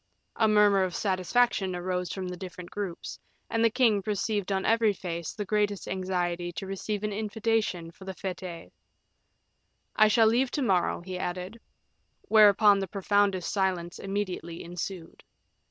A murmur of satisfaction arose from the different groups, and the king perceived on every face the greatest anxiety to receive an invitation for the fetes. "I shall leave to morrow," he added. Whereupon the profoundest silence immediately ensued.